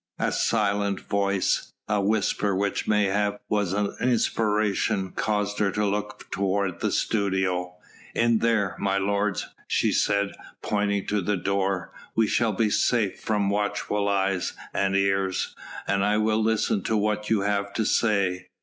A silent voice, a whisper which mayhap was an inspiration, caused her to look toward the studio. "In there, my lords," she said, pointing to the door, "we shall be safe from watchful eyes and ears, and I will listen to what you have to say."